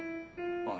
ああ